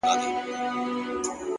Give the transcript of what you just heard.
مثبت فکر د ذهن سکون پیاوړی کوي.!